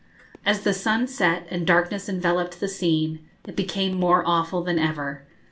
As the sun set, and darkness enveloped the scene, it became more awful than ever.